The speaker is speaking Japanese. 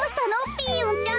ピーヨンちゃん。